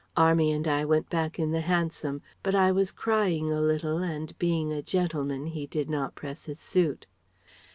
'Army' and I went back in the hansom, but I was crying a little and being a gentleman he did not press his suit..."